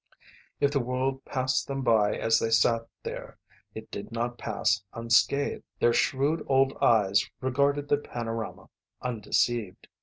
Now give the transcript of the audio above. If the world passed them by as they sat there it did not pass unscathed. Their shrewd old eyes regarded the panorama, undeceived.